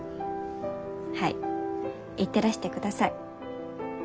はい行ってらしてください。